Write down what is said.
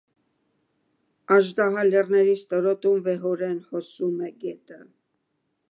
Աժդահա լեռների ստորոտում վեհորեն հոսում է գետը։